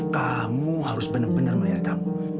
kamu harus benar benar melihat kamu